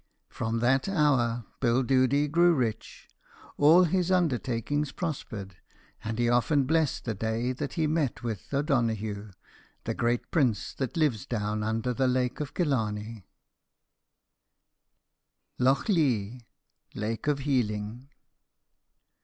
From that hour Bill Doody grew rich; all his undertakings prospered; and he often blesses the day that he met with O'Donoghue, the great prince that lives down under the lake of Killarney. [Footnote 43: Children.] LOUGHLEAGH (LAKE OF HEALING).